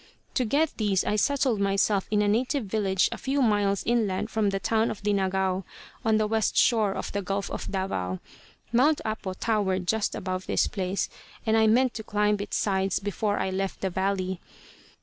To get these I settled myself in a native village a few miles inland from the town of Dinagao, on the west shore of the Gulf of Davao. Mount Apo towered just above this place, and I meant to climb its sides before I left the valley.